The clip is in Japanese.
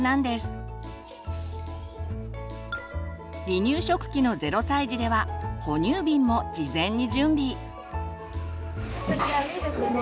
離乳食期の０歳児では哺乳瓶も事前に準備。